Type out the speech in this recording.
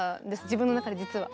自分の中で実は。